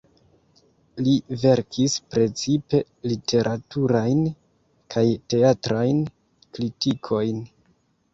Li verkis precipe literaturajn kaj teatrajn kritikojn.